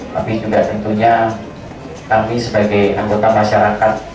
tapi juga tentunya kami sebagai anggota masyarakat